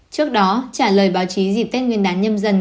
trước đó trả lời báo chí dịp tết nguyên đán nhâm dần